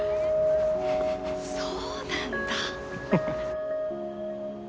そうなんだ。